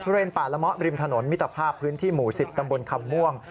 ป่าละมะริมถนนมิตรภาพพื้นที่หมู่๑๐ตำบลคำม่วง